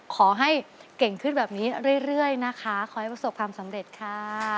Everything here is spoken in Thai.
ขอให้เก่งขึ้นแบบนี้เรื่อยนะคะขอให้ประสบความสำเร็จค่ะ